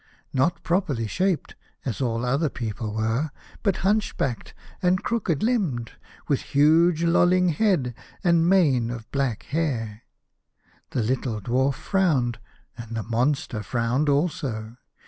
Not properly shaped, as all other people were, but hunchbacked, and crooked limbed, with huge lolling head and mane of black hair. The little Dwarf frowned, and the monster frowned also.